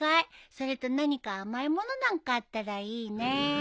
それと何か甘いものなんかあったらいいねー。